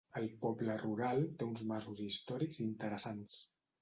El poble rural té uns masos històrics interessants.